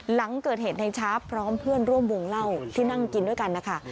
หลังเกิดเหตุในช้าพร้อมเพื่อนร่วมวงเล่าที่นั่งกินด้วยกันนะคะ